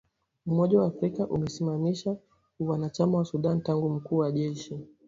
Umoja wa Afrika umeisimamisha uanachama wa Sudan tangu mkuu wa jeshi